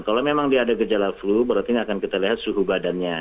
kalau memang dia ada gejala flu berarti ini akan kita lihat suhu badannya